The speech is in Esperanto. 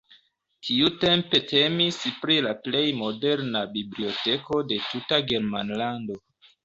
Tiutempe temis pri la plej moderna biblioteko de tuta Germanlando.